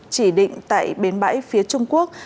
chỉ định tại bến bãi phía trung quốc